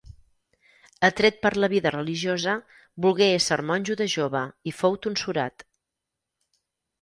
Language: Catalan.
Atret per la vida religiosa, volgué ésser monjo de jove i fou tonsurat.